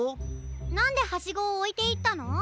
なんでハシゴをおいていったの？